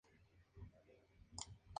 Ingresó en la carrera de Psicología.